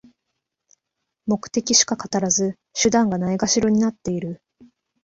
目的しか語らず、手段がないがしろになってる